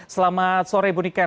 selamat sore ibu niken